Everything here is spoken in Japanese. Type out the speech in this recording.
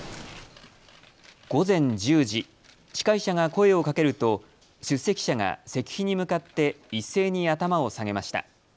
午前１０時、司会者が声をかけると出席者が石碑に向かって一斉に頭を下げました。